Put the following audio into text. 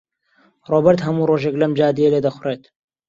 ڕۆبەرت هەموو ڕۆژێک لەم جادەیە لێدەخوڕێت.